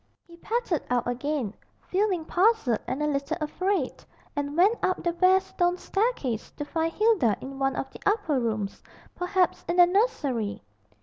He pattered out again, feeling puzzled and a little afraid, and went up the bare stone staircase to find Hilda in one of the upper rooms, perhaps in the nursery.